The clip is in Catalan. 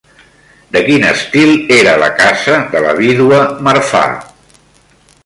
De quin estil era la casa de la vídua Marfà?